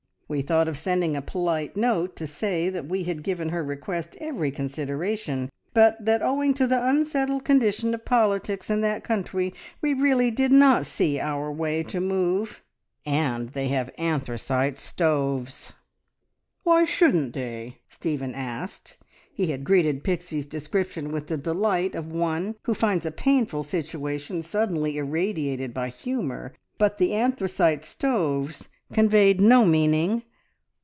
We thought of sending a polite note to say that we had given her request every consideration, but that owing to the unsettled condition of politics in that country we really did not see our way to move. ... And they have anthracite stoves." "Why shouldn't they?" Stephen asked. He had greeted Pixie's description with the delight of one who finds a painful situation suddenly irradiated by humour, but the anthracite stoves conveyed no meaning.